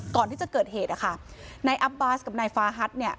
ก่อนที่จะเกิดเหตุนะคะนายอับบาสกับนายฟาฮัทเนี่ย